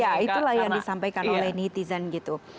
ya itulah yang disampaikan oleh netizen gitu